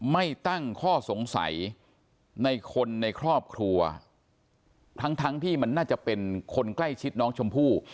ไม่ตั้งข้อสงสัยในคนในครอบครัวทั้งทั้งที่มันน่าจะเป็นคนใกล้ชิดน้องชมพู่